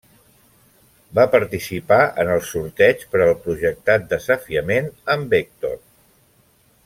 Va participar en el sorteig per al projectat desafiament amb Hèctor.